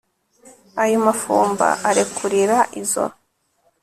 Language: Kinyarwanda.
ayo mafumba arekurira izo